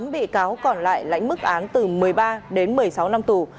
tám bị cáo còn lại lãnh mức án từ một mươi ba đến một mươi sáu năm tù